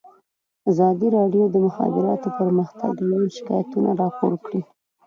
ازادي راډیو د د مخابراتو پرمختګ اړوند شکایتونه راپور کړي.